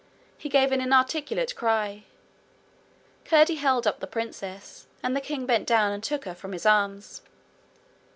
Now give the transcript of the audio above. He gave an inarticulate cry. Curdie held up the princess, and the king bent down and took her from his arms.